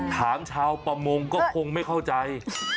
ชาวประมงก็คงไม่เข้าใจ